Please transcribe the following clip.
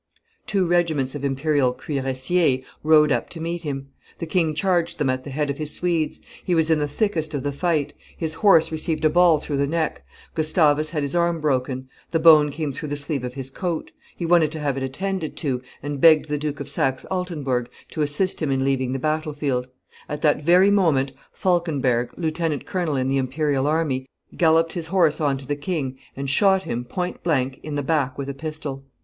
Two regiments of Imperial cuirassiers rode up to meet him; the king charged them at the head of his Swedes; he was in the thickest of the fight; his horse received a ball through the neck; Gustavus had his arm broken; the bone came through the sleeve of his coat; he wanted to have it attended to, and begged the Duke of Saxe Altenburg to assist him in leaving the battle field; at that very moment, Falkenberg, lieutenant colonel in the Imperial army, galloped his horse on to the king and shot him, point blank, in the back with a pistol.